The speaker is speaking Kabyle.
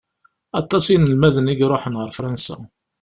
Aṭas n inelmaden i iṛuḥen ar Fransa.